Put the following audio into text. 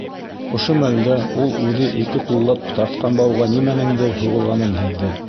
Ошо мәлдә ул үҙе ике ҡуллап тартҡан бауға нимәнеңдер һуғылғанын һиҙҙе.